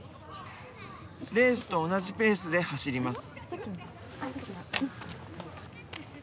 レースと同じペースで走ります。